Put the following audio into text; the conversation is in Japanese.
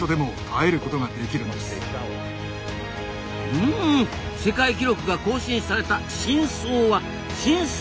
ふん世界記録が更新された「真相」は「深層」